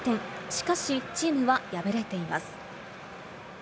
しかし、チームは敗れています。